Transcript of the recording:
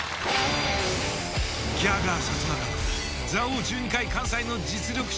ギャガーサツマカワが座王１２回関西の実力者